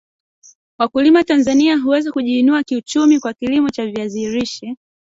Wakuliam Tanzania huweza kujiinua kiuchumi kwa kilimo cha viazi lishe